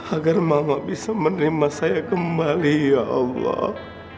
agar mama bisa menerima saya kembali ya allah